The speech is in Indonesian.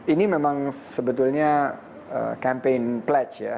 ini memang sebetulnya campaign pledge